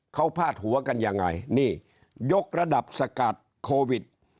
เขาพาดหัวกันยังไงนี่ยกระดับสกัดโควิด